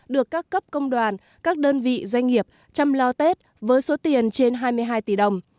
được các cấp công đoàn các đơn vị doanh nghiệp chăm lo tết với số tiền trên hai mươi hai tỷ đồng